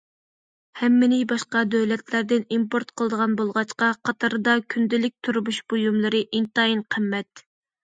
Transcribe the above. ھەممىنى باشقا دۆلەتلەردىن ئىمپورت قىلىدىغان بولغاچقا، قاتاردا كۈندىلىك تۇرمۇش بۇيۇملىرى ئىنتايىن قىممەت.